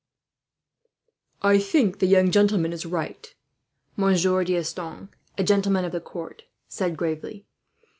"I think the young gentleman is right," Monsieur D'Estanges, a gentleman of the court, said gravely.